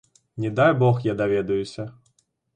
Не дай бог я даведаюся!